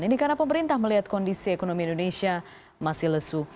ini karena pemerintah melihat kondisi ekonomi indonesia masih lesu